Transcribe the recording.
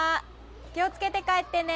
気をつけて帰ってね。